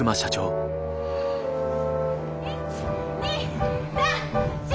１２３４。